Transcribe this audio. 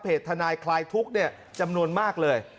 เพจทนายคลายทุกข์เนี่ยจำนวนมากเลย